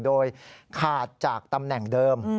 โดยขาดจากตำแหน่งเดิม